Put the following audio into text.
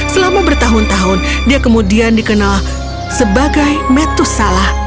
selama bertahun tahun dia kemudian dikenal sebagai metusala